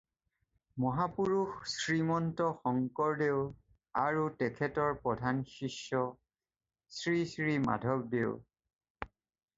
মহাপুৰুষ শ্ৰীমন্ত শংকৰদেৱ আৰু তেখেতৰ প্ৰধান শিষ্য শ্ৰীশ্ৰী মাধৱদেৱ।